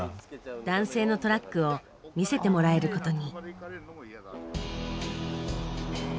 男性のトラックを見せてもらえることに。